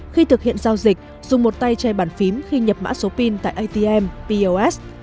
khi thực hiện giao dịch dùng một tay che bản phím khi nhập mã số pin tại atm pos